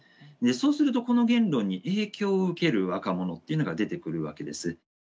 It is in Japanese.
そうするとこの言論に影響を受ける若者っていうのが出てくるわけです。